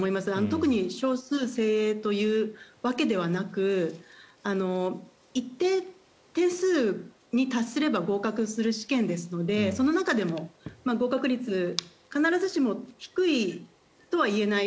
特に少数精鋭というわけではなく一定点数に達すれば合格する試験ですのでその中でも合格率必ずしも低いとは言えない。